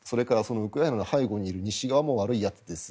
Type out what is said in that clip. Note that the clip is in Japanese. ウクライナの背後にいる西側も悪いやつです